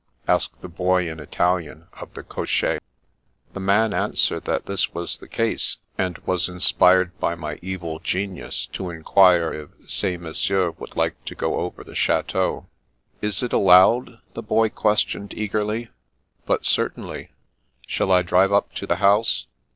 asked the Boy in Italian of the cocker. The man answered that this was the case, and was inspired by my evil genius to enquire if ces messieurs would like to go over the chateau. Is it allowed ?" the Boy questioned eagerly. But certainly. Shall I drive up to the house?